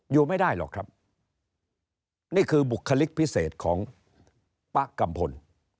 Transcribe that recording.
อยู่ไม่ได้หรอกครับนี่คือบุคลิกพิเศษของป๊ะกัมพล